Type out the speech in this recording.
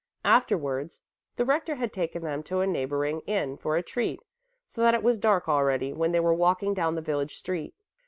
Afterwards the rector had taken them to a neighboring inn for a treat, so that it was dark already when they were walking down the village street.